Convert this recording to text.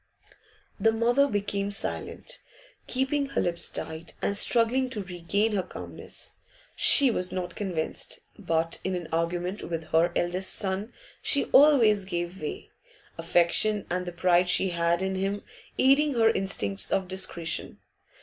The mother became silent, keeping her lips tight, and struggling to regain her calmness. She was not convinced, but in argument with her eldest son she always gave way, affection and the pride she had in him aiding her instincts of discretion.